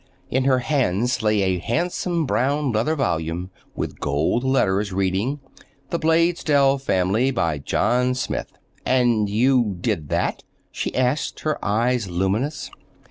In her hands lay a handsome brown leather volume with gold letters, reading:— The Blaisdell Family By John Smith "And you—did that?" she asked, her eyes luminous.